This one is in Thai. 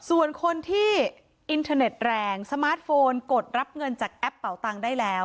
ส่วนคนที่อินเทอร์เน็ตแรงสมาร์ทโฟนกดรับเงินจากแอปเป่าตังค์ได้แล้ว